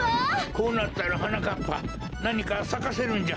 こうなったらはなかっぱなにかさかせるんじゃ。